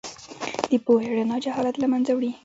د پوهې رڼا جهالت له منځه وړي.